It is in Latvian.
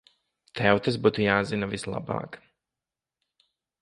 Tev tas būtu jāzina vislabāk.